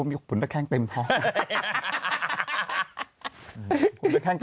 คุณปื้นแคร่งเต็มทอง